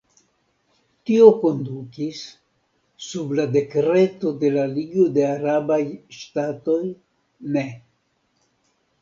Tio kondukis, sub la dekreto de la Ligo de Arabaj Ŝtatoj ne.